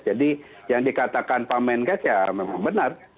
jadi yang dikatakan pak menkes ya memang benar